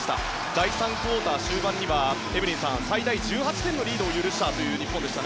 第３クオーター終盤にはエブリンさん、最大１８点のリードを許した日本でした。